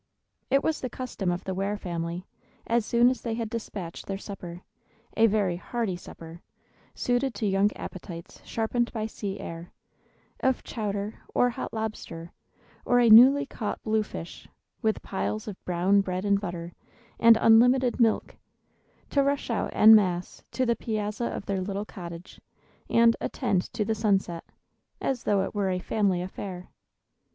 It was the custom of the Ware family, as soon as they had despatched their supper, a very hearty supper, suited to young appetites sharpened by sea air; of chowder, or hot lobster, or a newly caught blue fish, with piles of brown bread and butter, and unlimited milk, to rush out en masse to the piazza of their little cottage, and "attend to the sunset," as though it were a family affair.